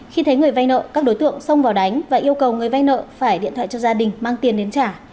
khi thấy người vay nợ các đối tượng xông vào đánh và yêu cầu người vay nợ phải điện thoại cho gia đình mang tiền đến trả